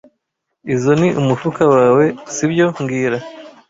Izoi ni umufuka wawe, sibyo mbwira